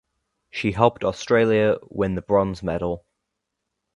She helped Australia win the bronze medal.